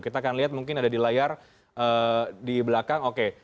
kita akan lihat mungkin ada di layar di belakang oke